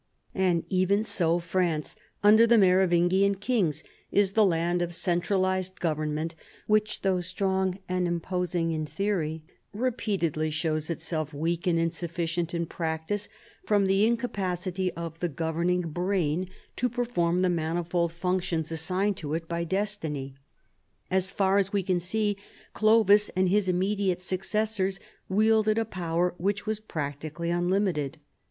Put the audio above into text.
And even so, France under the Merovingian kings is the land of centralized government, which though strong and imposing in theory, repeatedly show^s it self weak and insufficient in practice from the incapa city of the governing brain to perform the manifold functions assigned to it by destiny. As far as we can see, Clovis and his immediate successors wield ed a power which was practically unlimited.